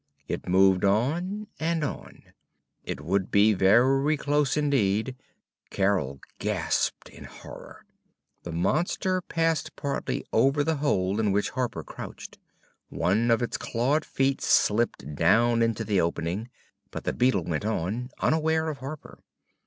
It moved on and on. It would be very close indeed. Carol gasped in horror. The monster passed partly over the hole in which Harper crouched. One of its clawed feet slipped down into the opening. But the beetle went on, unaware of Harper.